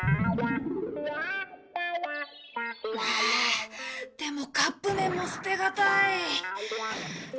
ああでもカップ麺も捨てがたい。